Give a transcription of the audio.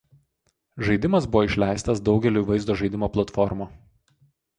Žaidimas buvo išleistas daugeliui vaizdo žaidimo platformų.